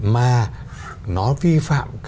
mà nó vi phạm